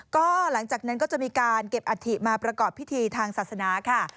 ก็หลังจากนั้นก็จะมีการเก็บอัฐิมาประกอบพิธีทางศาสนาค่ะ